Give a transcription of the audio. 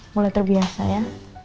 mulai terbiasa ya